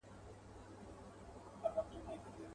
اوس درواخلئ ساړه سیوري جنتونه.